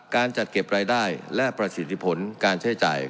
การจัดเก็บรายได้และประสิทธิผลการใช้จ่าย